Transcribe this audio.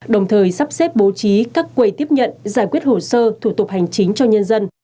đồng thời sắp xếp bố trí các quầy tiếp nhận giải quyết hồ sơ thủ tục hành chính cho nhân dân